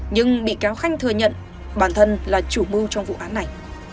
nhưng bị cáo khanh thừa nhận bản thân là chủ mưu trong vụ án này